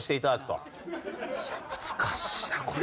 いや難しいなこれ。